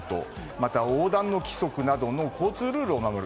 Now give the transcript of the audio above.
また、横断の規則などの交通ルールを守る。